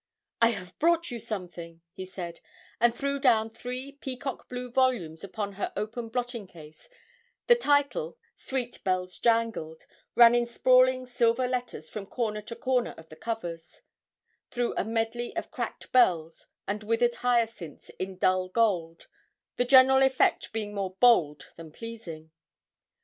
'I have brought you something!' he said, and threw down three peacock blue volumes upon her open blotting case; the title, 'Sweet Bells Jangled,' ran in sprawling silver letters from corner to corner of the covers, through a medley of cracked bells and withered hyacinths in dull gold; the general effect being more bold than pleasing.